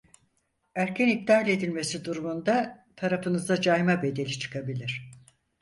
Erken iptal edilmesi durumunda tarafınıza cayma bedeli çıkabilir